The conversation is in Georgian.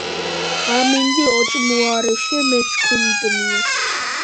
ამინდი ოჭუმარეშე მერჩქინდუნია